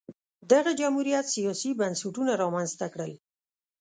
دغه جمهوریت سیاسي بنسټونه رامنځته کړل